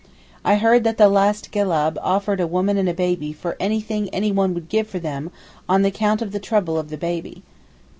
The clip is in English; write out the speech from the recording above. I heard that the last gellab offered a woman and baby for anything anyone would give for them, on account of the trouble of the baby.